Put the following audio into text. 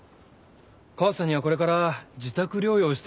母さんにはこれから自宅療養してもらうよ。